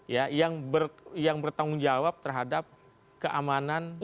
ya yang bertanggung jawab terhadap keamanan